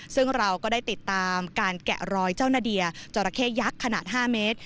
ซึ่งเราก็ได้ติดตามการแกะรอยเจ้านาเดียจราเข้ยักษ์ขนาด๕เมตร